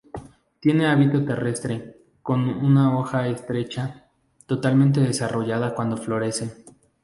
Tiene hábito terrestre, con una hoja estrecha, totalmente desarrollada cuando florece.